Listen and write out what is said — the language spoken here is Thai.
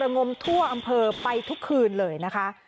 งมทั่วอำเภอไปทุกคืนเลยนะคะ